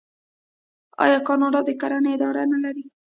آیا کاناډا د کرنې اداره نلري؟